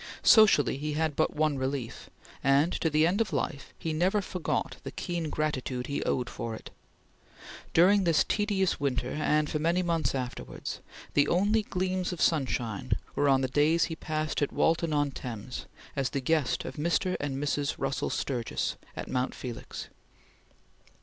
Socially he had but one relief; and, to the end of life, he never forgot the keen gratitude he owed for it. During this tedious winter and for many months afterwards, the only gleams of sunshine were on the days he passed at Walton on Thames as the guest of Mr. and Mrs. Russell Sturgis at Mount Felix.